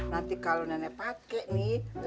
nanti kalau nenek pakai nih